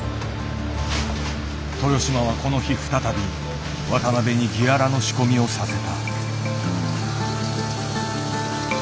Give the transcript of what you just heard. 豊島はこの日再び渡辺にギアラの仕込みをさせた。